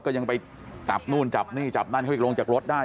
ก็ยังไปจับนู่นจับนี่จับนั่นเข้าไปลงจากรถได้